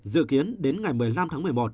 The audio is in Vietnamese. dự kiến đến ngày một mươi năm tháng một mươi một